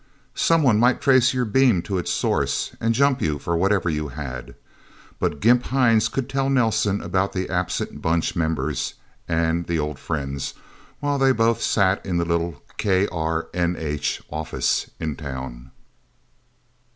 Someone might trace your beam to its source, and jump you for whatever you had. But Gimp Hines could tell Nelsen about the absent Bunch members and the old friends, while they both sat in the little KRNH office in Town.